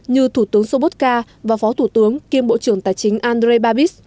như thủ tướng sôbotca và phó thủ tướng kiêm bộ trưởng tài chính andrei babis